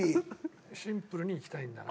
シンプルにいきたいんだな。